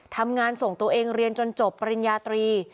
ทำงานส่งตัวเองเรียนจนจบปริญญาตรี